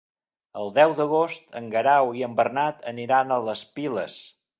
El deu d'agost en Guerau i en Bernat aniran a les Piles.